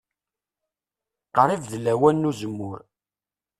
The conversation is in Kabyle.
Qrib d lawan n uzemmur.